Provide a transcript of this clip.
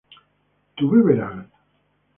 ¿tú beberás?